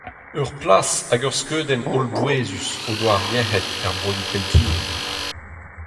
Ur plas hag ur skeudenn hollbouezus o doa ar merc'hed er broioù keltiek.